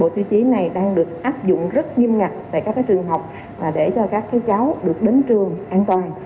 chúng ta đang được áp dụng rất nghiêm ngặt tại các trường học để cho các cháu được đến trường an toàn